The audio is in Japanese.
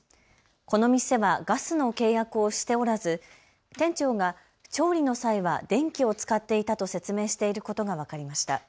この店はガスの契約をしておらず店長が調理の際は電気を使っていたと説明していることが分かりました。